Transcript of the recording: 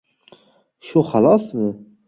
— Shu xalosmi?